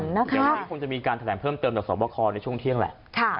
เดี๋ยววันนี้คงจะมีการแถลงเพิ่มเติมจากสอบคอในช่วงเที่ยงแหละ